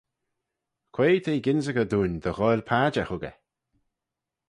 Quoi t'eh gynsaghey dooin dy ghoaill padjer huggey?